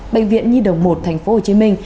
bệnh viện nhi đồng một tp hcm